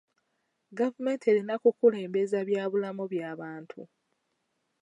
Gavumenti erina kukulembeza bya bulamu by'abantu.